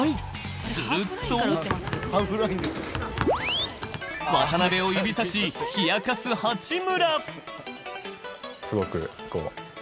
すると、渡邊を指差し、ひやかす八村。